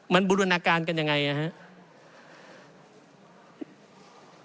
มันบูรณาการกันยังไงนะครับ